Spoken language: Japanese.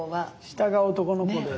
下が男の子で。